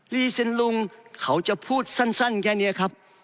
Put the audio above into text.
รีเซ็นลุงเขาจะพูดสั้นแค่นี้ครับ